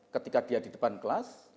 ketika dia di depan kelas